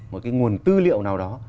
một cái nguồn tư liệu nào đó